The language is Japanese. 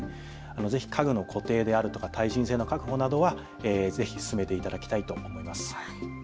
ぜひ家具の固定であるとか耐震性の確保などは、ぜひ進めていただきたいと思います。